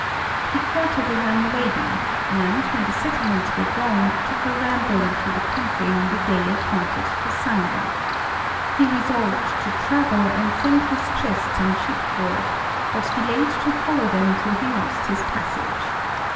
He courted a young lad 3>' and, when the settlements were drawn, took a ramble xvl^c the country on the day appointed to sign them. lr£e resolved to travel, and sent his chests on ship board but delayed to follow them till he lost his passage.